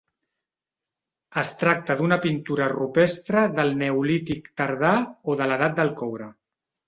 Es tracta d'una pintura rupestre del neolític tardà o de l'edat del coure.